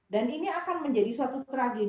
dan ini akan menjadi suatu tragedi juga